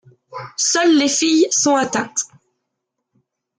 Seules les filles sont atteintes.